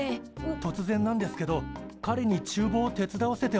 とつぜんなんですけどかれにちゅうぼうを手伝わせてもらえませんか？